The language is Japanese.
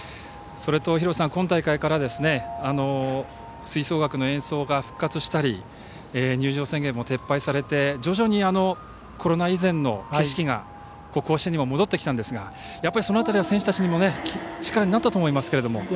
それと、今大会から吹奏楽の演奏が復活したり入場制限も撤廃されて徐々にコロナ以前の景色が甲子園にも戻ってきたんですがその辺りは選手たちにも力になったと思いますけれども。